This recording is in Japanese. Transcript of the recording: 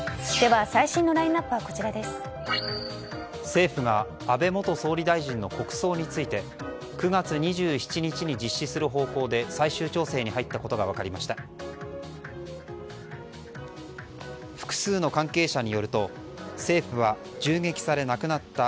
政府が安倍元総理大臣の国葬について９月２７日に実施する方向で最終調整に入ったことが分かりました。